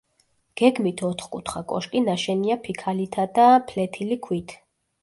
გეგმით ოთხკუთხა კოშკი ნაშენია ფიქალითა და ფლეთილი ქვით.